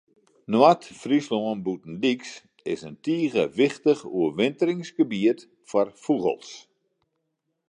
Noard-Fryslân Bûtendyks is in tige wichtich oerwinteringsgebiet foar fûgels.